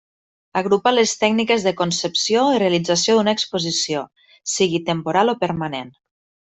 Agrupa les tècniques de concepció i realització d'una exposició, sigui temporal o permanent.